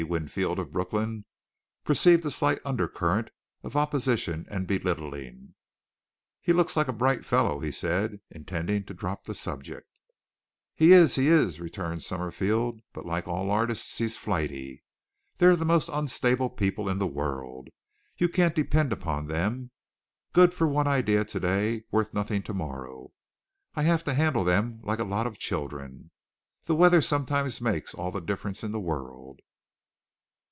Winfield, of Brooklyn) perceived a slight undercurrent of opposition and belittling. "He looks like a bright fellow," he said, intending to drop the subject. "He is, he is," returned Summerfield; "but like all artists, he's flighty. They're the most unstable people in the world. You can't depend upon them. Good for one idea today worth nothing tomorrow I have to handle them like a lot of children. The weather sometimes makes all the difference in the world."